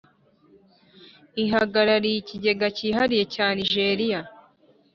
Ihagarariye Ikigega Cyihariye cya Nijeriya